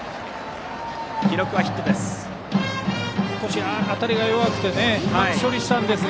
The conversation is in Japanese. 記録はヒットです。